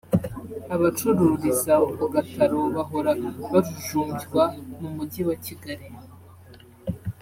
Abacururiza ku gataro bahora bajujumbywa mu Mujyi wa Kigali